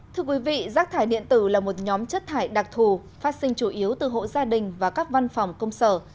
thưa quý vị rác thải điện tử là một nhóm chất thải đặc thù phát sinh chủ yếu từ hộ gia đình và các văn phòng công sở